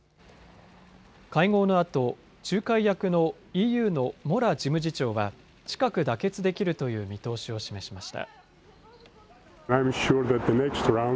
会合のあと仲介役のＥＵのモラ事務次長は近く妥結できるという見通しを示しました。